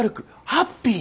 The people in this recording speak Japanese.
ハッピーに！